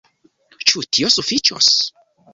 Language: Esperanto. Ĉu tio sufiĉos?